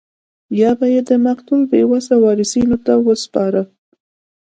یا به یې د مقتول بې وسه وارثینو ته ورسپاره.